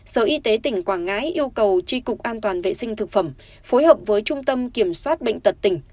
sở y tế tỉnh quảng ngãi yêu cầu tri cục an toàn vệ sinh thực phẩm phối hợp với trung tâm kiểm soát bệnh tật tỉnh